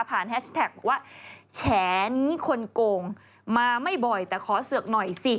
แฮชแท็กบอกว่าแฉนี้คนโกงมาไม่บ่อยแต่ขอเสือกหน่อยสิ